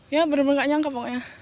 ya bener bener nggak nyangka pokoknya